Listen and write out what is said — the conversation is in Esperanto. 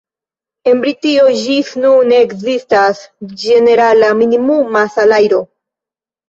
En Britio ĝis nun ne ekzistas ĝenerala minimuma salajro.